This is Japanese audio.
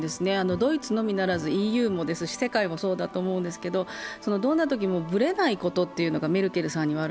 ドイツのみならずＥＵとか世界もそうだと思うんですけれども、どんなときもブレないことというのがメルケルさんにはある。